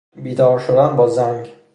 بیدار شدن با زنگ.